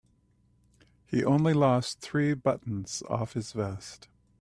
He only lost three buttons off his vest.